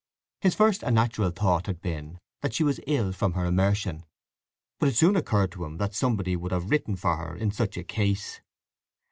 His first and natural thought had been that she was ill from her immersion; but it soon occurred to him that somebody would have written for her in such a case.